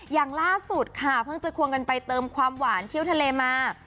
อย่างล่าสุดค่ะเพิ่งจะควงกันไปเติมความหวานเที่ยวทะเลมา